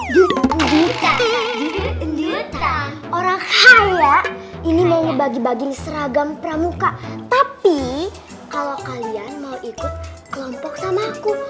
mulia nusi keh orang hal ini mau bagi bagi seragam pramuka tapi kalau kalian mau ikut kelompok sama aku mebakalmaya